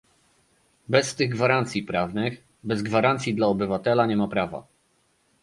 Bez tych gwarancji prawnych, bez gwarancji dla obywateli nie ma prawa